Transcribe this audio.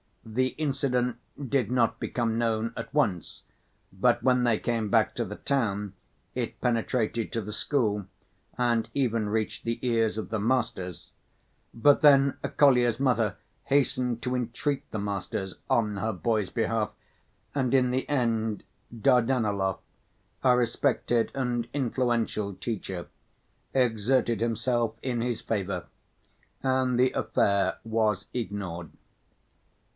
The incident did not become known at once, but when they came back to the town it penetrated to the school and even reached the ears of the masters. But then Kolya's mother hastened to entreat the masters on her boy's behalf, and in the end Dardanelov, a respected and influential teacher, exerted himself in his favor, and the affair was ignored.